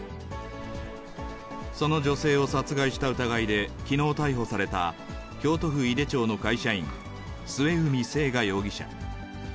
その女性を殺害した疑いできのう逮捕された京都府井手町の会社員、末海征河容疑者。